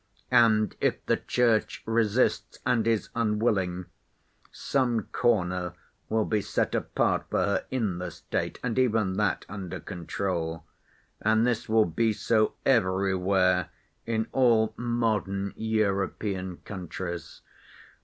And if the Church resists and is unwilling, some corner will be set apart for her in the State, and even that under control—and this will be so everywhere in all modern European countries.